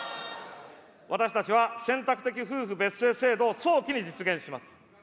私たちは選択的夫婦別姓制度を早期に実現します。